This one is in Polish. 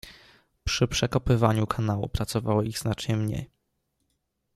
Przy przekopywaniu kanału pracowało ich znacznie mnie.